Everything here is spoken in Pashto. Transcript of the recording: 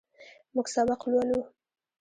موږ سبق لولو.